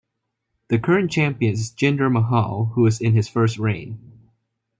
The current champion is Jinder Mahal, who is in his first reign.